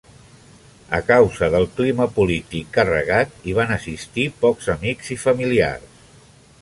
A causa del clima polític carregat, hi van assistir pocs amics i familiars.